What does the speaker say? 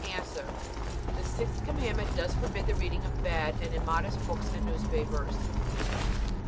A. The sixth Commandment does forbid the reading of bad and immodest books and newspapers.